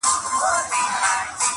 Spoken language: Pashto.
چي ستاینه د مجنون د زنځیر نه وي,